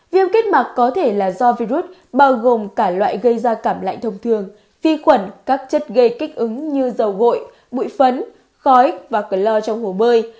viêm kết mạc có thể là do virus bao gồm cả loại gây ra cảm lạnh thông thường phi khuẩn các chất gây kích ứng như dầu gội bụi phấn khói và cờ lo trong hồ bơi